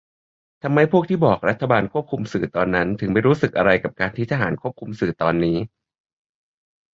ทำไมพวกที่บอก รัฐบาลควบคุมสื่อตอนนั้น ถึงไม่รู้สึกอะไรกับการที่ทหารควบคุมสื่อตอนนี้ ?